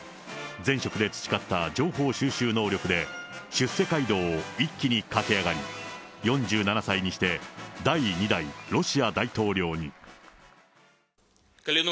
前職で培った情報収集能力で、出世街道を一気に駆け上がり、４７歳にして、第２代ロシア大統領に。